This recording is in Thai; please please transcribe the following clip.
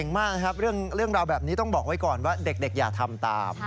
มากนะครับเรื่องราวแบบนี้ต้องบอกไว้ก่อนว่าเด็กอย่าทำตาม